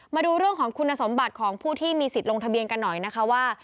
มาดูเรื่องของคุณสมบัติของผู้ที่มีสิทธิ์ลงทะเบียนกันหน่อยนะคะว่า